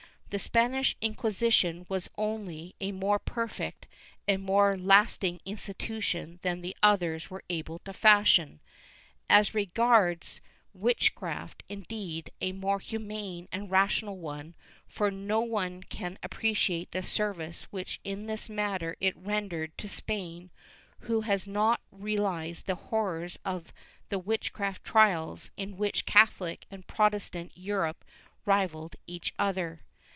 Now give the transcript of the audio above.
The Spanish Inquisition was only a more perfect and a more last ing institution than the others were able to fashion — as regards * Del luflujo de la Inquisicion (Disertaciones, pp. 108, 121). 532 RETROSPECT [Book IX witchcraft, indeed, a more humane and rational one, for no one can appreciate the service which in this matter it rendered to Spain who has not reahzed the horrors of the witchcraft trials in which Catholic and Protestant Europe rivalled each other.